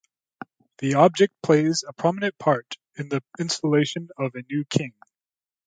The object plays a prominent part at the installation of a new king.